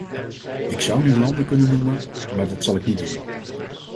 Ik zou nu landen kunnen noemen, maar dat zal ik niet doen.